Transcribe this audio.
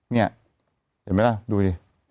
นี่เห็นไหมล่ะดูดิ